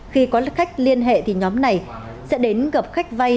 khi có khách liên hệ thì nhóm này sẽ đến gặp khách vay